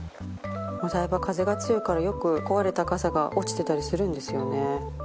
お台場風が強いからよく壊れた傘が落ちてたりするんですよね。